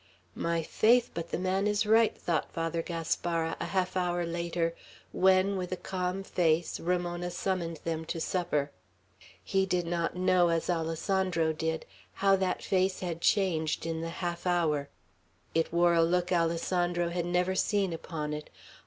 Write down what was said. "My faith, but the man is right," thought Father Gaspara, a half hour later, when, with a calm face, Ramona summoned them to supper. He did not know, as Alessandro did, how that face had changed in the half hour. It wore a look Alessandro had never seen upon it.